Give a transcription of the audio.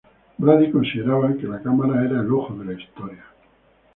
Brady, consideraba que la cámara era el ojo de la historia.